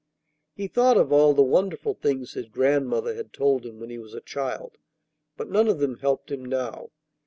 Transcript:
He thought of all the wonderful things his grandmother had told him when he was a child, but none of them helped him now.